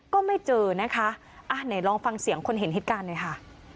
ก็ไม่เจอนะคะอ่ะไหนลองฟังเสียงคนเห็นเหตุการณ์หน่อยค่ะ